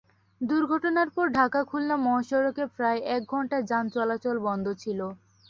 দুর্ঘটনার পর ঢাকা খুলনা মহাসড়কে প্রায় এক ঘণ্টা যান চলাচল বন্ধ ছিল।